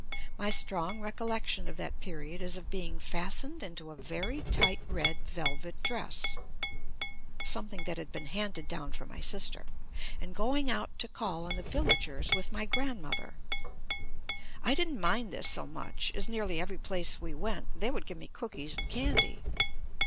My strong recol lection of that period is of being fastened into a very tight red velvet dress (something that had been handed down from my sister) and go ing out to call on the villagers with my grand mother. I didn't mind this so much as nearly every place we went they would give me cook ies and candy.